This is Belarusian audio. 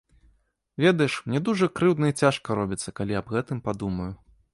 Ведаеш, мне дужа крыўдна і цяжка робіцца, калі аб гэтым падумаю.